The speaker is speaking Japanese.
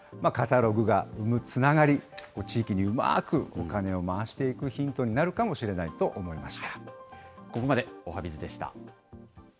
カタログが生むつながり、地域にうまくお金を回していくヒントになるかもしれないと思いました。